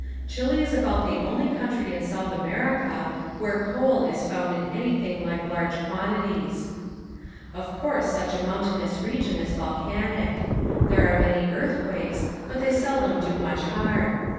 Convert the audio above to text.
Chile is about the only country in South America where coal is found in anything like large quantities. Of course such a mountainous region is volcanic. There are many earthquakes but they seldom do much harm.